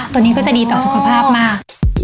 ตัวนี้ก็จะดีต่อสุขภาพมาก